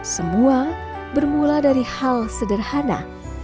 semua bermula dari hal sederhana